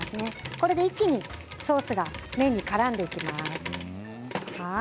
これで一気にソースが麺にからんできます。